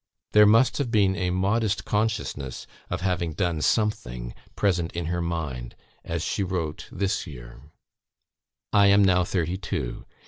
There must have been a modest consciousness of having "done something" present in her mind, as she wrote this year: "I am now thirty two.